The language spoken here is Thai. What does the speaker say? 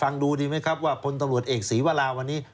ดูดีไหมครับว่าพลตำรวจเอกศรีวราวันนี้